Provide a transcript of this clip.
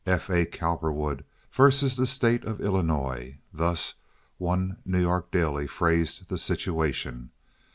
F. A. Cowperwood versus the state of Illinois—thus one New York daily phrased the situation.